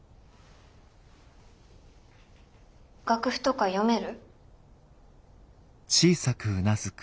楽譜とか読める？